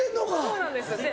そうなんです。